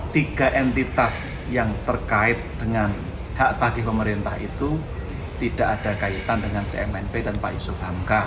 tiga entitas yang terkait dengan hak tagih pemerintah itu tidak ada kaitan dengan cmnp dan pak yusuf hamka